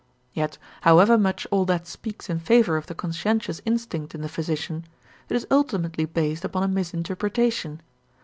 Yet, however much all that speaks in favor of the conscientious instinct in the physician, it is ultimately based upon a misinterpretation.